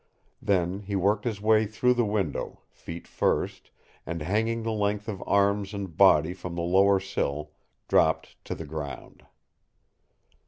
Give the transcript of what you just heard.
Then he worked his way through the window, feet first, and hanging the length of arms and body from the lower sill, dropped to the ground.